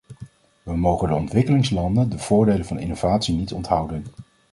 We mogen de ontwikkelingslanden de voordelen van innovatie niet onthouden.